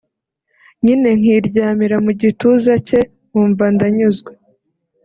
nyine nkiryamira mu gituza cye nkumva ndanyuzwe